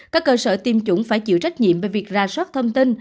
các cơ sở tiêm chủng phải chịu trách nhiệm về việc ra soát thông tin